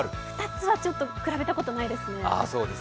２つは比べたことないですね。